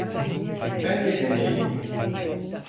Ben de deneyeyim.